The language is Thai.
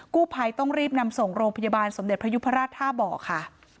กู้ภัยต้องรีบนำส่งโรงพยาบาลสมเด็จพระยุพราชท่าบ่อค่ะ